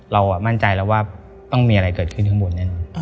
เรามั่นใจแล้วว่าต้องมีอะไรเกิดขึ้นข้างบนแน่นอน